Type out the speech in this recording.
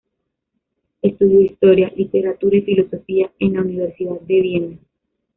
Estudió historia, literatura y filosofía en la Universidad de Viena.